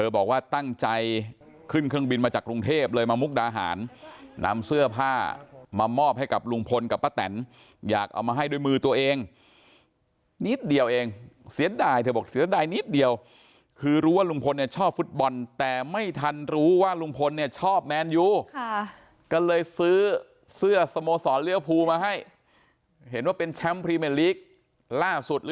บอกว่าตั้งใจขึ้นเครื่องบินมาจากกรุงเทพเลยมามุกดาหารนำเสื้อผ้ามามอบให้กับลุงพลกับป้าแตนอยากเอามาให้ด้วยมือตัวเองนิดเดียวเองเสียดายเธอบอกเสียดายนิดเดียวคือรู้ว่าลุงพลเนี่ยชอบฟุตบอลแต่ไม่ทันรู้ว่าลุงพลเนี่ยชอบแมนยูก็เลยซื้อเสื้อสโมสรเลี้ยวภูมาให้เห็นว่าเป็นแชมป์พรีเมลีกล่าสุด